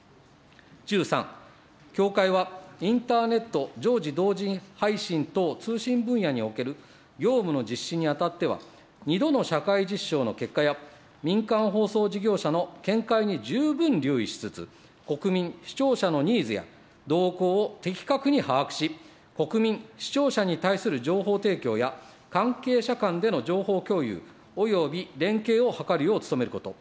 １３、協会はインターネット常時同時配信等、通信分野における業務の実施にあたっては、２度の社会実証の結果や、民間放送事業者の見解に十分留意しつつ、国民、視聴者のニーズや動向を的確に把握し、国民、視聴者に対する情報提供や、関係者間での情報共有および連携を図るよう努めること。